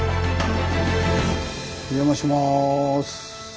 お邪魔します。